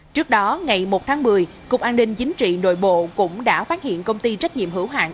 trước đó ngày một tháng một mươi cục an ninh chính trị nội bộ cũng đã phát hiện công ty trách nhiệm hữu hạng